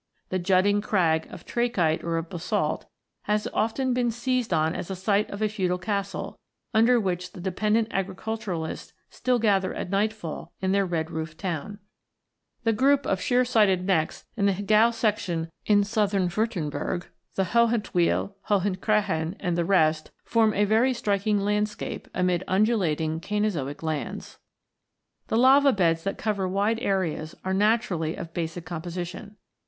The jutting crag of trachyte or of basalt has often been seized on as the site of a feudal castle, under which the dependent agriculturists still gather at nightfall in their red roofed town. The group of v] IGNEOUS ROCKS i3o sheer sided necks in the Hegau in southern Wiirttem berg, the Hohentwiel, Hohenkrahen, and the rest, form a very striking landscape amid undulating Cainozoic lands. The lava beds that cover wide areas are naturally of basic composition.